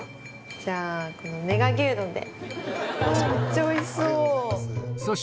じゃあこのメガ牛丼で。